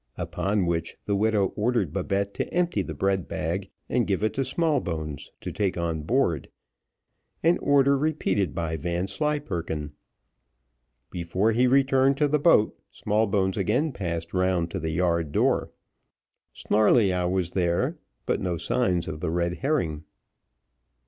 Upon which, the widow ordered Babette to empty the bread bag and give it to Smallbones, to take on board, an order repeated by Vanslyperken. Before he returned to the boat, Smallbones again passed round to the yard door. Snarleyyow was there, but no signs of the red herring.